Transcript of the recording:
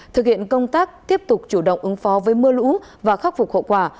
thực hiện công tác tiếp tục chủ động ứng phó với mưa lũ và khắc phục hậu quả